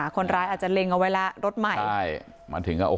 คนร้ายอาจจะเล็งเอาไว้แล้วรถใหม่